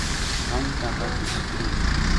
سائیں کاکا کی بکری